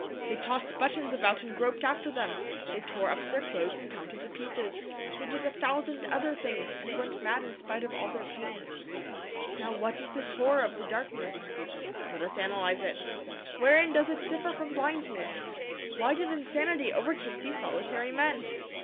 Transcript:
They tossed buttons about and groped after them; they tore up their clothes and counted the pieces; they did a thousand other things, and went mad in spite of all their pains. Now what is this horror of the darkness? Let us analyse it. Wherein does it differ from blindness? Why did insanity overtake these solitary men?